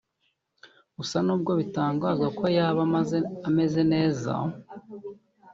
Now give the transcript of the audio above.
Gusa n’ubwo bitangazwa ko yaba ameze neza